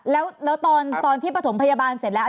แล้วตอนที่ประถมพยาบาลเสร็จแล้ว